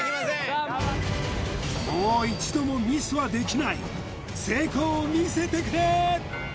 もう一度もミスはできない成功を見せてくれー！